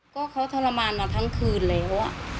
ก็เขาทรมานมาทั้งคืนแล้ว